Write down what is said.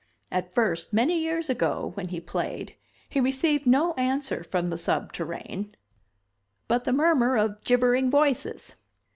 At first, many years ago, when he played, he received no answer from the subterrane, but the murmur of gibbering voices.